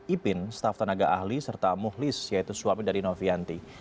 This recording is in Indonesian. ipin staf tenaga ahli serta muhlis yaitu suami dari novianti